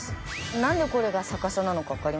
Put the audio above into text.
なんでこれが逆さなのかわかりますか？